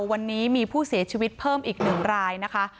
วันนี้มีผู้เสียชีวิตเพิ่มอีก๑รายนะคะ